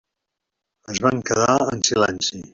Es van quedar en silenci.